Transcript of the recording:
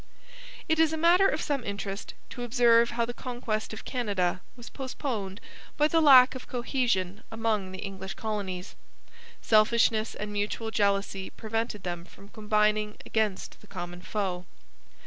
It is a matter of some interest to observe how the conquest of Canada was postponed by the lack of cohesion among the English colonies. Selfishness and mutual jealousy prevented them from combining against the common foe.